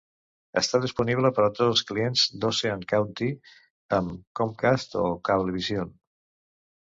Està disponible per a tots els clients d"Ocean County amb Comcast o Cablevision.